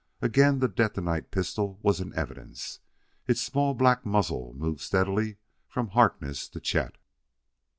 Again the detonite pistol was in evidence; its small black muzzle moved steadily from Harkness to Chet.